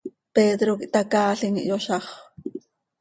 Pedro quih htacaalim, ihyozaxö.